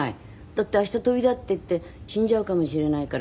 だって明日飛び立っていって死んじゃうかもしれないから。